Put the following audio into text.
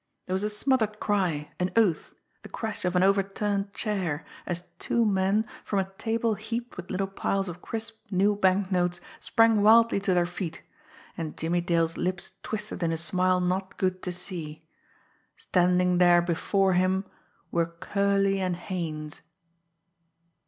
There was a smothered cry, an oath, the crash of an overturned chair, as two men, from a table heaped with little piles of crisp, new banknotes, sprang wildly to their feet: And Jimmie Dale's lips twisted in a smile not good to see. Standing there before him were Curley and Haines.